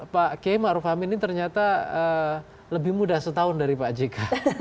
pak k ma'ruf hamid ini ternyata lebih mudah setahun dari pak jk